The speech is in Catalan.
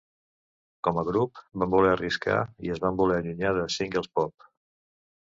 Com a grup van voler arriscar i es van voler allunyar de singles pop.